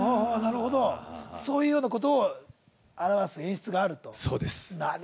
そういうようなことを表す演出があると。